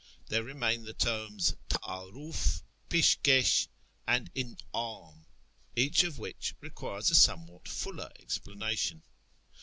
There remain the terms tadrvf, pish lxsh, and in dm, each of which requires a somewhat fuller explanation.